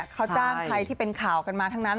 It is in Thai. เขาจ้างใครที่เป็นข่าวกันมาทั้งนั้น